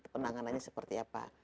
penanganannya seperti apa